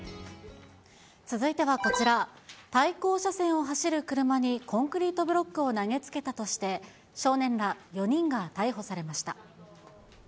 続いてはこちら、対向車線を走る車にコンクリートブロックを投げつけたとして、少年ら４人が逮捕されました。